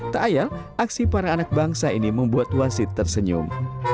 tak ayal aksi para anak bangsa ini membuat wasit tersenyum